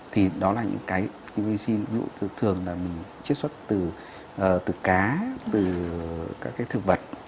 thì đó là những cái vitamin c ví dụ thường là mình chế xuất từ cá từ các cái thực vật